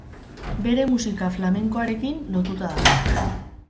Bere musika flamenkoarekin lotuta dago.